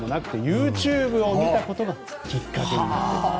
ＹｏｕＴｕｂｅを見たことがきっかけになったと。